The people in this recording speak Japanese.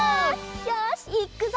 よしいくぞ！